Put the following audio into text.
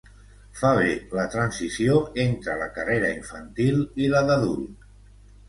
Fa bé la transició entre la carrera infantil i la d'adult.